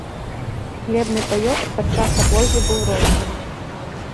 Хлебны паёк падчас аблогі быў розным.